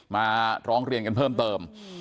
มาร้องเรียนกันเพิ่มเติม